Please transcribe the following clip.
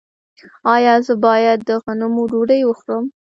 ایا زه باید د غنمو ډوډۍ وخورم؟